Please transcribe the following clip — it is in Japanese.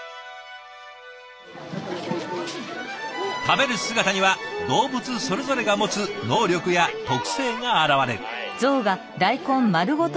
食べる姿には動物それぞれが持つ能力や特性が表れる。